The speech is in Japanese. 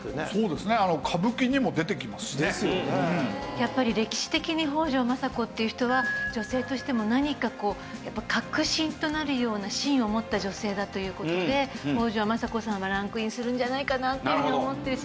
やっぱり歴史的に北条政子っていう人は女性としても何かこうやっぱ核心となるような芯を持った女性だという事で北条政子さんはランクインするんじゃないかなっていうふうに思ってるし。